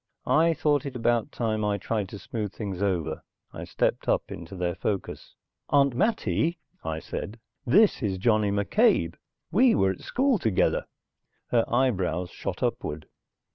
I thought it about time I tried to smooth things over. I stepped up into their focus. "Aunt Mattie," I said. "This is Johnny McCabe. We were at school together." Her eyebrows shot upward.